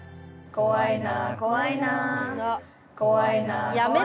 怖いな。